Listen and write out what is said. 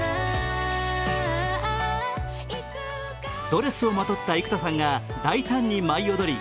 ドレスをまとった幾田さんが大胆に舞い踊り